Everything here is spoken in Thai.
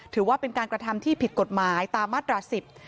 ถือว่าเป็นการกระทำที่ผิดกฎหมายตามมาตราสิบ